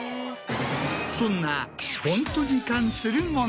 そんな。